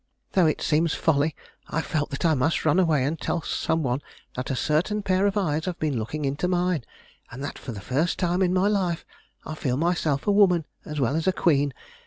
Though it seems folly, I felt that I must run away and tell some one that a certain pair of eyes have been looking into mine, and that for the first time in my life I feel myself a woman as well as a queen."